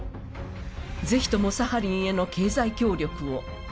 「ぜひともサハリンへの経済協力を」